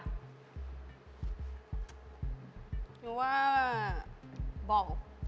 คิดว่าบอล